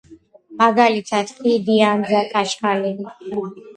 მაგალითად: ხიდი, ანძა, კაშხალი.